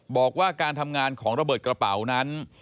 บอกว่าการทำงานของระเบิดกระเป๋านั้น